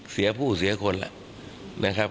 เสียผู้เสียคนล่ะ